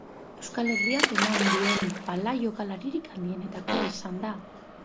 Euskal Herriak eman duen pala-jokalaririk handienetakoa izan da.